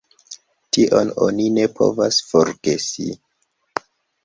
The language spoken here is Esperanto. Tion oni ne povas forgesi.